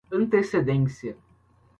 antecedência